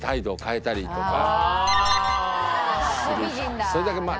それだけまあ